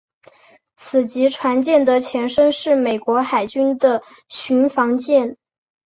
此级船舰的前身是美国海军的巡防舰。